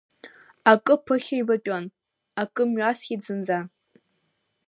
Акы ԥыхьа ибатәын, акы мҩасхьеит зынӡа.